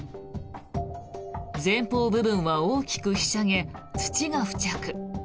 前方部分は大きくひしゃげ土が付着。